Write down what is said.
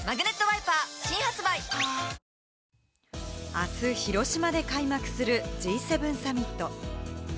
明日、広島で開幕するＧ７サミット。